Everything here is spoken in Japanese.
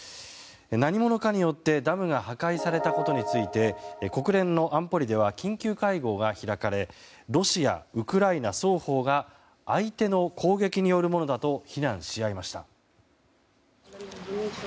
何者かによってダムが破壊されたことについて国連の安保理では緊急会合が開かれロシア、ウクライナ双方が相手の攻撃によるものだと非難し合いました。